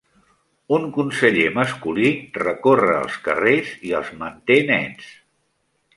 Un conseller masculí recorre els carrers i els manté nets.